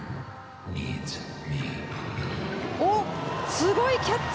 すごいキャッチ！